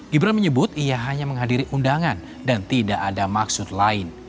gibran menyebut ia hanya menghadiri undangan dan tidak ada maksud lain